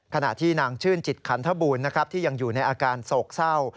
ขณะที่นางชื่นจิตขันทบูรณ์นะครับที่ยังอยู่ในอาการโศกเศร้า